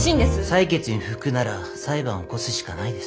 裁決に不服なら裁判を起こすしかないです。